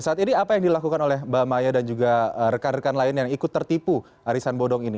saat ini apa yang dilakukan oleh mbak maya dan juga rekan rekan lain yang ikut tertipu arisan bodong ini